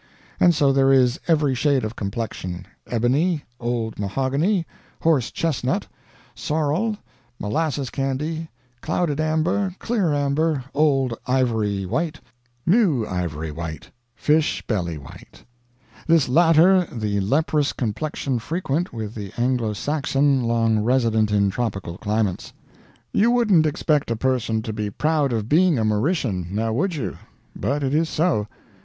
And so there is every shade of complexion; ebony, old mahogany, horsechestnut, sorrel, molasses candy, clouded amber, clear amber, old ivory white, new ivory white, fish belly white this latter the leprous complexion frequent with the Anglo Saxon long resident in tropical climates. "You wouldn't expect a person to be proud of being a Mauritian, now would you? But it is so.